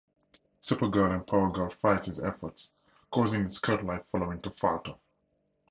Supergirl and Power Girl fight his efforts, causing his cult-like following to falter.